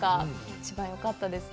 一番よかったですね。